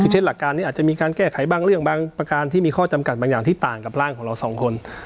เช่นหลักการนี้อาจจะมีการแก้ไขบางเรื่องบางประการที่มีข้อจำกัดบางอย่างที่ต่างกับร่างของเราสองคน